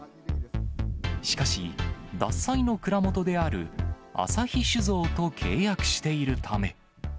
しかし、獺祭の蔵元である旭酒造と契約しているため。